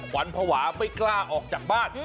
วันภาวะไม่กล้าออกจากบ้าน